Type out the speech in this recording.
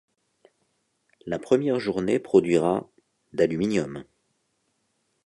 La première journée produira d'aluminium.